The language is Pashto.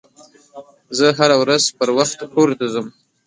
زه هره ورځ پروخت کور ته ځم